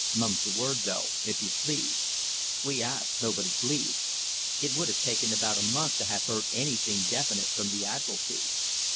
Mum's the word, though, if you please. We asked nobody's leave. It would have taken about a month to have heard anything definite from the Admiralty."